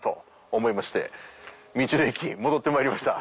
思いまして道の駅へ戻ってまいりました。